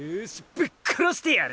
ぶっ殺してやるぜ！